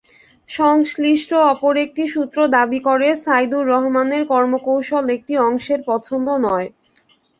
সংশ্লিষ্ট অপর একটি সূত্র দাবি করে, সাইদুর রহমানের কর্মকৌশল একটি অংশের পছন্দ নয়।